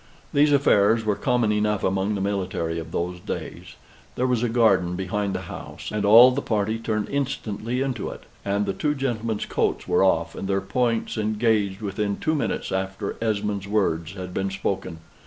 These affairs were common enough among the military of those days. There was a garden behind the house, and all the party turned instantly into it; and the two gentlemen's coats were off and their points engaged within two minutes after Esmond's words had been spoken.